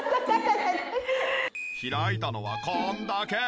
開いたのはこんだけ。